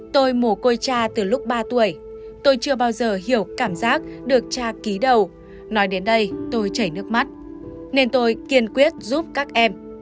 tôi mổ côi cha từ lúc ba tuổi tôi chưa bao giờ hiểu cảm giác được cha ký đầu nói đến đây tôi chảy nước mắt nên tôi kiên quyết giúp các em